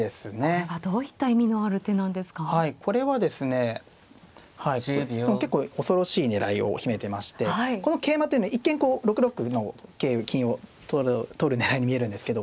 これはですね結構恐ろしい狙いを秘めてましてこの桂馬っていうのは一見こう６六の金を取る狙いに見えるんですけど